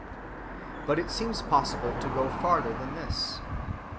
But it seems possible to go farther than this.